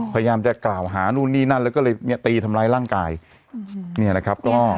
พยายามจะกล่าวหานู่นนี่นั่นแล้วก็เลยเนี่ยตีทำร้ายร่างกายอืมเนี่ยนะครับก็